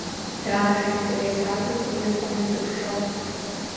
Даара аинтерес аҵамкәа иҟам узыԥхьо.